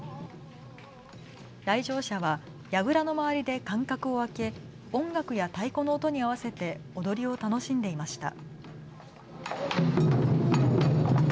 来場者はやぐらの周りで間隔を空け音楽や太鼓の音に合わせて踊りを楽しんでいました。